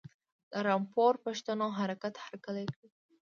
د رامپور پښتنو حرکت هرکلی کړی.